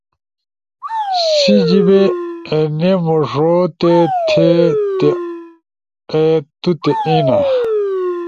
سی جیبے اینے موݜوتتے تھے تے آے توتے اینا۔